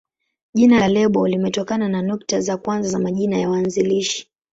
Jina la lebo limetokana na nukta za kwanza za majina ya waanzilishi.